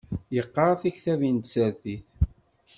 Yeqqaṛ tiktabin n tsertit